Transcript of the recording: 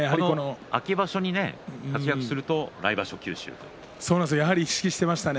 秋場所で活躍すると来場所、九州。意識していましたね。